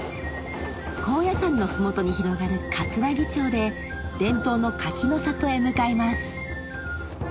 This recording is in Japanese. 高野山の麓に広がるかつらぎ町で伝統の柿の里へ向かいます